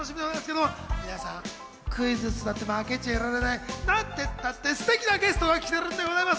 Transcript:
皆さんクイズッスだって負けちゃいられない、なんてったってステキなゲストが来てるんです。